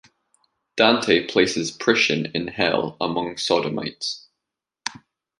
Dante places Priscian in Hell among sodomites.